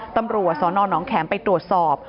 ตำรวจสนน้องแข็มไปตรวจสอบ